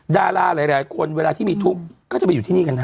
ดาราหลายคนเวลาที่มีทุกข์ก็จะไปอยู่ที่นี่กันฮะ